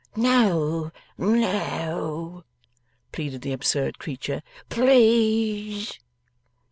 'No, no,' pleaded the absurd creature. 'Please!